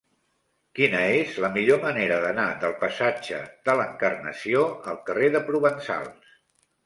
Quina és la millor manera d'anar del passatge de l'Encarnació al carrer de Provençals?